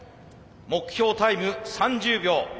目標タイム３０秒。